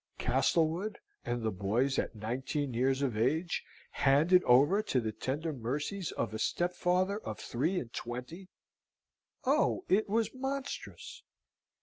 Castlewood, and the boys at nineteen years of age, handed over to the tender mercies of a stepfather of three and twenty! Oh, it was monstrous!